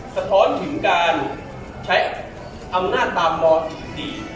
สะท้อนถึงการใช้อำนาจตามมสส